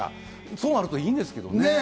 そうなるといいんですけど。